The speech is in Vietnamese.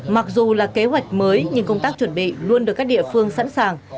mặc dù là kế hoạch mới nhưng công tác chuẩn bị luôn được các địa phương sẵn sàng